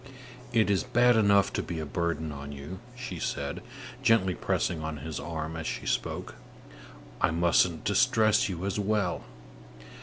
"It is bad enough to be a burden on you," she said, gently pressing on his arm as she spoke; "I mustn't distress you as well.